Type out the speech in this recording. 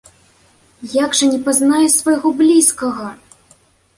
Як жа не пазнае свайго блізкага!